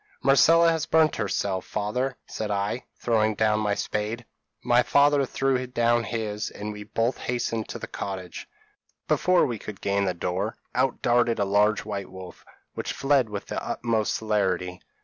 'Marcella has burnt herself, father,' said I, throwing down my spade. My father threw down his, and we both hastened to the cottage. Before we could gain the door, out darted a large white wolf, which fled with the utmost celerity.